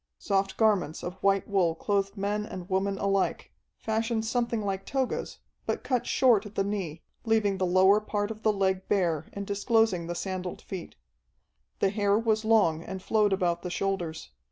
Soft garments of white wool clothed men and women alike, fashioned something like togas, but cut short at the knee, leaving the lower part of the leg bare and disclosing the sandaled feet. The hair was long and flowed about the shoulders.